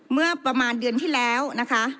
เมื่อประมาณเดือนที่แล้วนะคะ